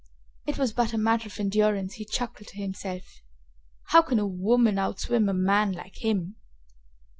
It was but a matter of endurance, he chuckled to himself. How could a woman outswim a man like him?